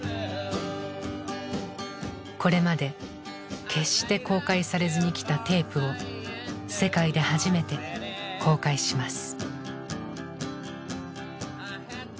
これまで決して公開されずにきたテープを世界で初めて公開します。